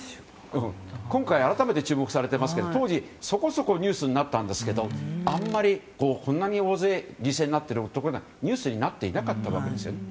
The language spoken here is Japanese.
今回、改めて注目されていますが当時、そこそこニュースになったんですけどあんまり、こんなに大勢犠牲になっているということはニュースになっていなかったわけです。